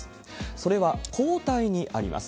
それは抗体にあります。